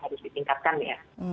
harus ditingkatkan ya